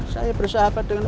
saya bersahabat dengan